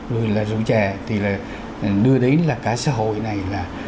rồi là rượu chè thì là đưa đến là cả xã hội này là